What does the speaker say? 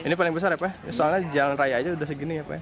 ini paling besar ya pak soalnya jalan raya aja udah segini ya pak